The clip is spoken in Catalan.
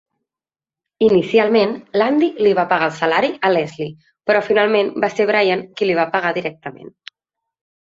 Inicialment, Landy li va pagar el salari a Leslie, però finalment va ser Brian qui li va pagar directament.